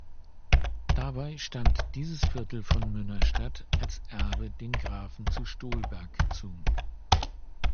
Dabei stand dieses Viertel von Münnerstadt als Erbe den Grafen zu Stolberg zu.